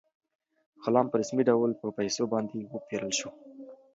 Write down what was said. غلام په رسمي ډول په پیسو باندې وپېرل شو.